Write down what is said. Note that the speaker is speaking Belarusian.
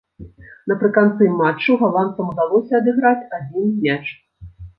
Напрыканцы матчу галандцам удалося адыграць адзін мяч.